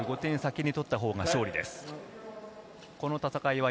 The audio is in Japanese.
４５点を先に取ったほうが勝利です。